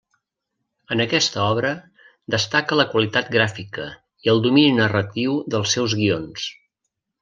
En aquesta obra, destaca la qualitat gràfica, i el domini narratiu dels seus guions.